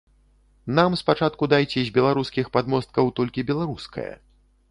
Нам спачатку дайце з беларускіх падмосткаў толькі беларускае.